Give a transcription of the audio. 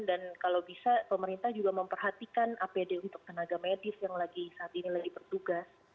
dan kalau bisa pemerintah juga memperhatikan apd untuk tenaga medis yang saat ini lagi bertugas